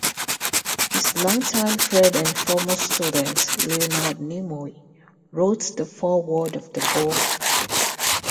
His longtime friend and former student, Leonard Nimoy, wrote the foreword for the book.